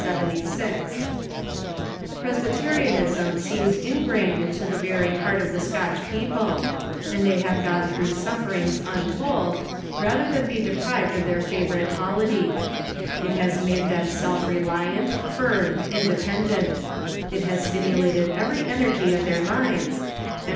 Pn'sljytcrianisin scenis en<^raine(l into the very heart of the Scotch |»copi(', and the}' have ^one thron;^h sufTerin^s un told rather ilian be deprived of their favorite ))olity. It has made them self reliant, firm, independent; it has stimulated every energy of their minds, and wh